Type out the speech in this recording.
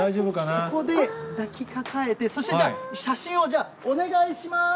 ここで抱きかかえて、そしてじゃあ、写真をじゃあ、お願いします。